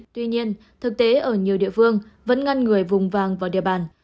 tuy nhiên thực tế ở nhiều địa phương vẫn ngăn người vùng vàng vào địa bàn